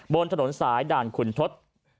บนถนนสายด่านขุนทศ